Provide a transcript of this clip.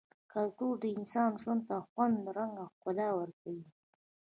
کلتور د انسان ژوند ته خوند ، رنګ او ښکلا ورکوي -